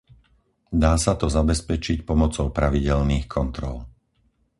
Dá sa to zabezpečiť pomocou pravidelných kontrol.